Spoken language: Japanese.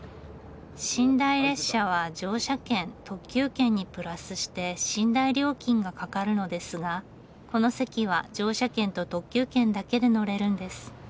寝台列車は乗車券特急券にプラスして寝台料金がかかるのですがこの席は乗車券と特急券だけで乗れるんです。